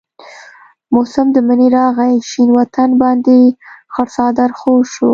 موسم د منی راغي شين وطن باندي خړ څادر خور شو